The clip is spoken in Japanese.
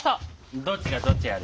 どっちがどっちやる？